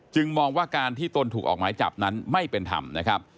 มองว่าการที่ตนถูกออกหมายจับนั้นไม่เป็นธรรมนะครับ